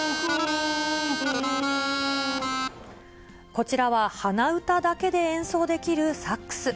こちらは鼻歌だけで演奏できるサックス。